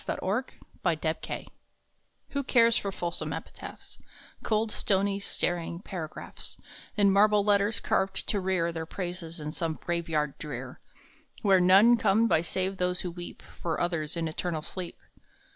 AS TO EPITAPHS WHO cares for fulsome epitaphs, Cold, stony, staring paragraphs, In marble letters carved to rear Their praises in some graveyard drear, Where none come by save those who weep For others in eternal sleep?